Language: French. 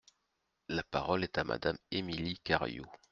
La parole est à Madame Émilie Cariou.